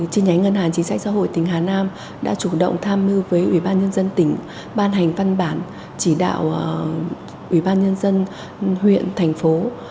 trên nhánh ngân hàng chính sách xã hội tỉnh hà nam đã chủ động tham mưu với ủy ban nhân dân tỉnh ban hành văn bản chỉ đạo ủy ban nhân dân huyện thành phố